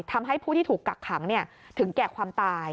ทำให้ผู้ที่ถูกกักขังถึงแก่ความตาย